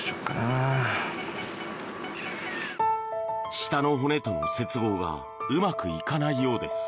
下の骨との接合がうまくいかないようです。